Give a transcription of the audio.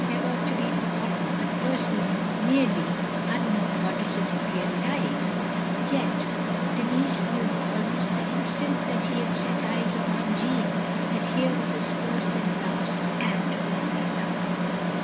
LONELY LADY never to be forgotten but personally nearly un known goddesses in real Ufe; yet Denis knew, almost the instant that he set eyes upon Jeanne, that here was his first and last and only love.